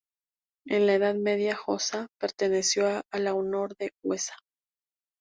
En la Edad Media Josa perteneció a la Honor de Huesa.